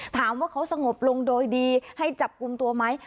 ถามว่าเขาสงบลงโดยดีให้จับกลุ่มตัวไหม